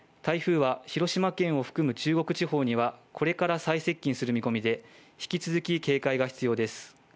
台風は広島県を含む中国地方にはこれから最接近する見込みで、引き続き、警戒が必要です。